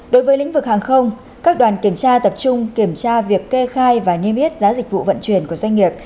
đối với lĩnh vực hàng không các đoàn kiểm tra tập trung kiểm tra việc kê khai và niêm yết giá dịch vụ vận chuyển của doanh nghiệp